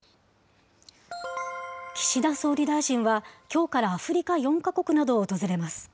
岸田総理大臣は、きょうからアフリカ４か国などを訪れます。